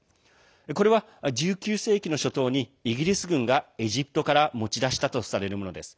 これは、１９世紀の初頭にイギリス軍がエジプトから持ち出したとされるものです。